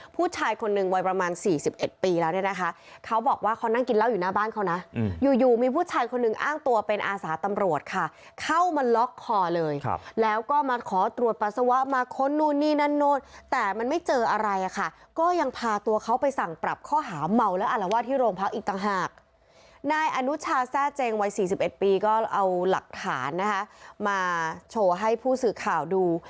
ปีก็เอาหลักฐานนะฮะมาโชว์ให้ผู้สื่อข่าวดู